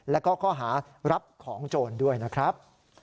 แล้วก็ข้อหารับของโจรด้วยนะครับ